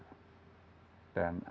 dan apa yang ditulis